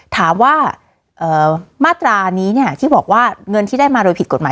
ถามว่ามาตรานี้ที่บอกว่าเงินที่ได้มาโดยผิดกฎหมาย